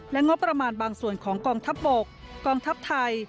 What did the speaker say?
งบประมาณบางส่วนของกองทัพบกกองทัพไทย